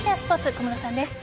小室さんです。